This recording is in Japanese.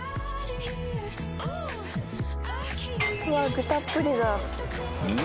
具たっぷりだうん？